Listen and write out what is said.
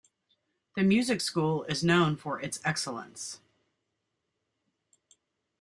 The music school is known for its excellence.